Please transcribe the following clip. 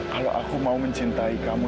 kalau aku mau mencintai kamu